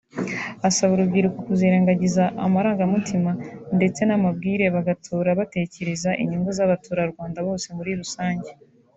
asaba urubyiruko kuzirengagiza amarangamutima ndetse n’amabwire bagatora batekereza inyungu z’abaturwanda bose muri rusange